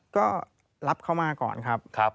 ก็รับเข้ามาก่อนครับ